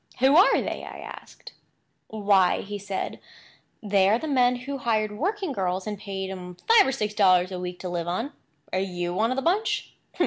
"Who are they?" I asked. "Why," said he, "they are the men who hired working girls, and paid 'em five or six dollars a week to live on. Are you one of the bunch?"